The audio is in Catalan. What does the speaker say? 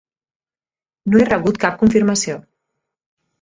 No he rebut cap confirmació.